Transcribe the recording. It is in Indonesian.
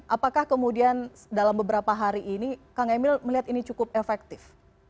apakah kemudian dalam beberapa hari ini kang emil melihat ini cukup efektif